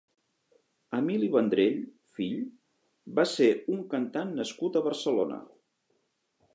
Emili Vendrell (fill) va ser un cantant nascut a Barcelona.